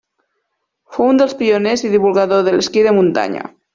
Fou un dels pioners i divulgador de l'esquí de muntanya.